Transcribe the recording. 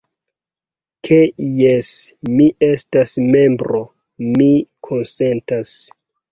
Ke jes, mi estas membro, mi konsentas.